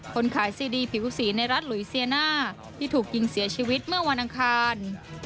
คนขายซีดีผิวสีในรัฐหลุยเซียน่าที่ถูกยิงเสียชีวิตเมื่อวันอังคาร